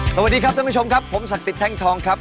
สวัสดีครับท่านผู้ชมครับผมศักดิ์สิทธิแท่งทองครับ